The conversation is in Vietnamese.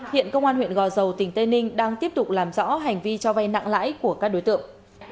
hiện công an huyện gò dầu tỉnh tây ninh đang tiếp tục làm rõ hành vi cho vay nặng lãi của các đối tượng